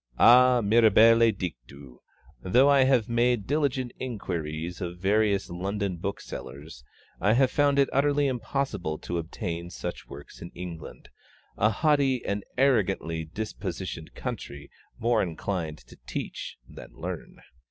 And mirabile dictu! though I have made diligent inquiries of various London booksellers, I have found it utterly impossible to obtain such works in England a haughty and arrogantly dispositioned country, more inclined to teach than to learn!